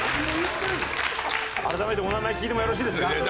改めてお名前聞いてもよろしいですか？